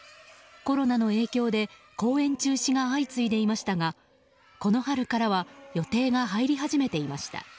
コロナの影響で公演中止が相次いでいましたがこの春からは予定が入り始めていました。